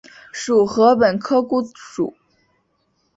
属禾本科菰属。